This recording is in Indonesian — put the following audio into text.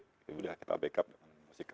kemudian kita backup dengan musikal